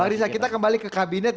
bang rizal kita kembali ke kabinet